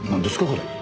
これ。